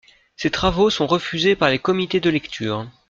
Ces travaux sont refusés par les comités de lecture.